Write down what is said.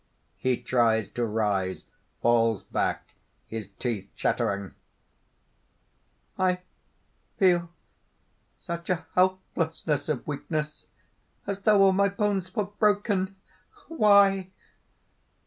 (He tries to rise, falls back, his teeth chattering): "I feel such a helplessness of weakness, as though all my bones were broken! "Why?